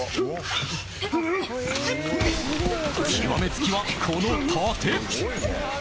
［極め付きはこの殺陣］